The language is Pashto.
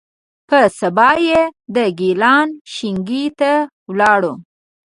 په سبا یې د ګیلان شینکۍ ته ولاړو.